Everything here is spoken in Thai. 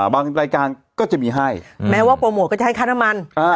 รายการก็จะมีให้แม้ว่าโปรโมทก็จะให้ค่าน้ำมัน